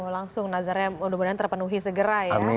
langsung nazarnya mudah mudahan terpenuhi segera ya